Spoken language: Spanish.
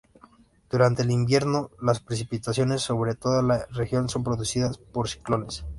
Durante el invierno, las precipitaciones sobre toda la región son producidas por ciclones.